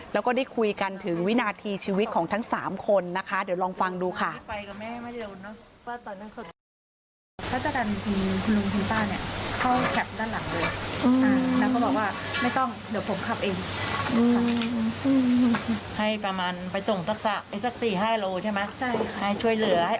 แล้วก็ได้คุยกันถึงวินาทีชีวิตของทั้ง๓คนนะคะเดี๋ยวลองฟังดูค่ะ